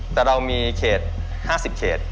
แต่เรามีเขต๕๐เขต